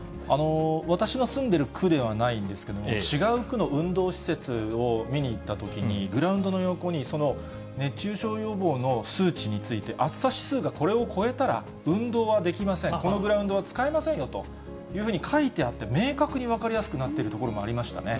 私の住んでる区ではないんですが、違う区の運動施設を見に行ったときにグラウンドの横にその熱中症予防の数値について、暑さ指数がこれを超えたら、運動はできません、このグラウンドは使えませんよというふうに書いてあって、明確に分かりやすくなっている所もありましたね。